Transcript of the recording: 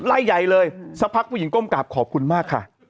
ไล่ใหญ่เลยสักพักผู้หญิงก้มกราบขอบคุณมากค่ะ